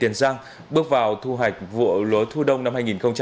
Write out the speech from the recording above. tỉnh giang bước vào thu hạch vụ lúa thu đông năm hai nghìn hai mươi ba